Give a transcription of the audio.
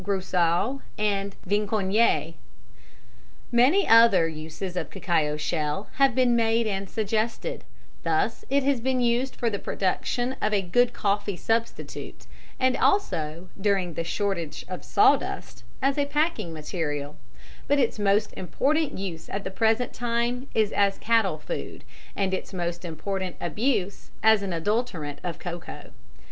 Grousseau and Vicongne (Patent No. 120,178). Many other uses of cacao shell have been made and suggested; thus it has been used for the production of a good coffee substitute, and also, during the shortage of sawdust, as a packing material, but its most important use at the present time is as cattle food, and its most important abuse as an adulterant of cocoa.